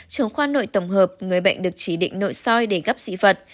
trưởng khoa nội tổng hợp người bệnh được chỉ định nội soi để gấp dị vật